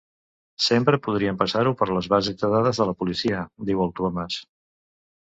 Sempre podríem passar-ho per les bases de dades de la policia —diu el Comas—.